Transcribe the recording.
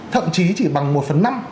thậm chí chỉ bằng một phần năm